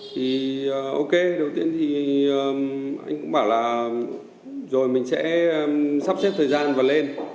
thì ok đầu tiên thì anh cũng bảo là rồi mình sẽ sắp xếp thời gian và lên